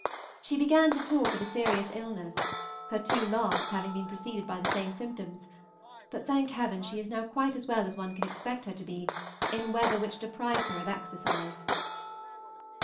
She began to talk of a serious illness, her two last having been preceded by the same symptoms, but, thank heaven! she is now quite as well as one can expect her to be in weather which deprives her of exercise.